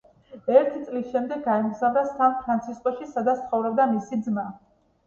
ერთი წლის შემდეგ გაემგზავრა სან-ფრანცისკოში, სადაც ცხოვრობდა მისი ძმა.